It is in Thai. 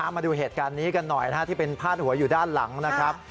มาดูเหตุการณ์นี้กันหน่อยที่เป็นพาดหัวอยู่ด้านหลังนะครับ